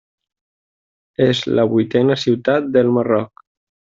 És la vuitena ciutat del Marroc.